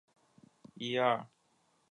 县政府驻塔荣镇。